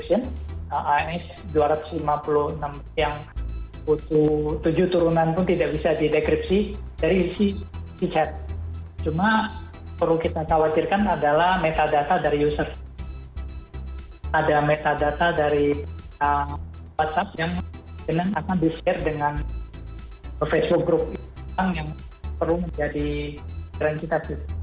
ada metadata dari whatsapp yang akan di share dengan facebook group yang perlu menjadi keren kita